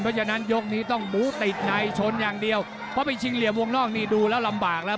เพราะฉะนั้นยกนี้ต้องบูติดในชนอย่างเดียวเพราะไปชิงเหลี่ยมวงนอกนี่ดูแล้วลำบากแล้ว